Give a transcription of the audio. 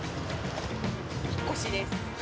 引っ越しです。